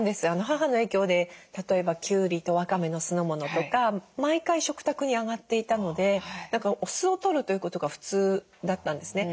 母の影響で例えばきゅうりとわかめの酢の物とか毎回食卓に上がっていたのでお酢をとるということが普通だったんですね。